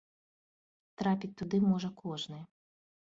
Трапіць туды можа кожны.